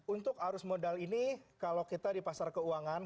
untuk arus modal ini kalau kita di pasar keuangan